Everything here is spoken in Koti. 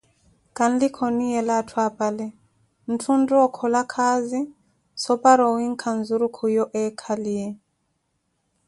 Kanlikha oniiyela atthu apale, ntthu ontta okhola khaazi so para owenkha nzurukhu yo eekhaliye.